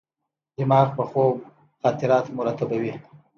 دماغ په خوب خاطرات مرتبوي.